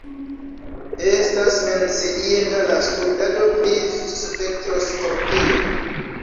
Estas menciinda la studado pri spektroskopio.